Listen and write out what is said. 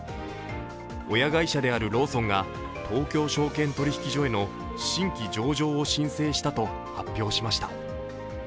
親会社であるローソンが東京証券取引所への新規上場を申請したと発表しました。